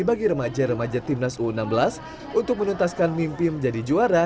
bagi remaja remaja timnas u enam belas untuk menuntaskan mimpi menjadi juara